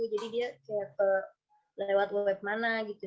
jadi dia kayak lewat web mana gitu